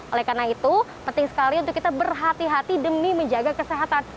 oleh karena itu penting sekali untuk kita berhati hati demi menjaga kesehatan